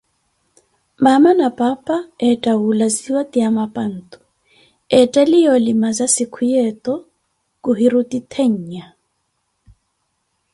Maama na paapa etta wuulaziwa, ti amapantu, etteliye olimaza sikuya eto, kuhiruti ttheenya.